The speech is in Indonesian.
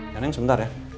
ya neng sebentar ya